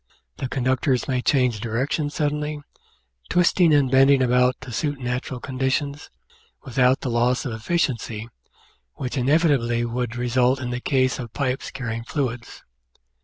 The conductors may change direction suddenly, twisting and bending about to suit natural conditions, without the loss of efficiency which inevitably would result in the case of pipes carrying fluids.